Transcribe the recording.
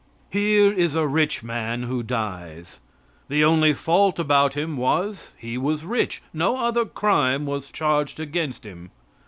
Here is a rich man who dies. The only fault about him was, he was rich; no other crime was charged against him.